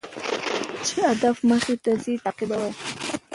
چي هدف مخته درځي تعقيبوه يې